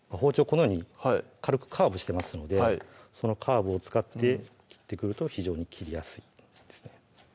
このように軽くカーブしてますのでそのカーブを使って切ってくると非常に切りやすいですね